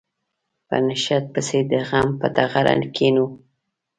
په نشت پسې د غم په ټغره کېنو.